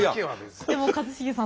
でも一茂さん